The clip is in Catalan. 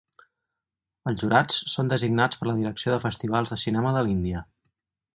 Els jurats són designats per la Direcció de Festivals de Cinema de l'Índia.